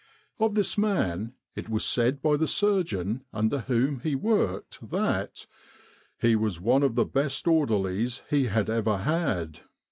Of this man it was said by the surgeon under whom he worked that ' he was one of the best orderlies he had ever had.'